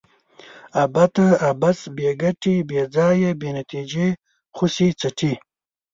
ابته ؛ عبث، بې ګټي، بې ځایه ، بې نتیجې، خوشي چټي